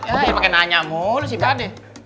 eh ya pake nanya mulu sih tadi